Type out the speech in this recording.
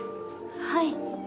はい。